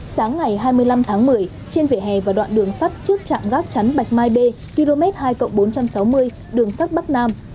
sáng ngày hai mươi năm tháng một mươi trên vỉa hè và đoạn đường sắt trước trạm gác chắn bạch mai b km hai bốn trăm sáu mươi đường sắt bắc nam